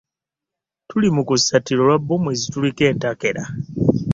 Tuli mu kusattira olwa bbomu ezitulika entakera.